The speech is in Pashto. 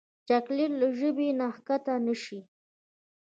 چاکلېټ له ژبې نه کښته نه شي.